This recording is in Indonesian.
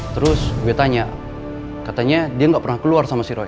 terus gue tanya katanya dia nggak pernah keluar sama si roy